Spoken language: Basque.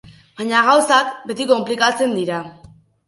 Baina gauzak beti konplikatzen dira.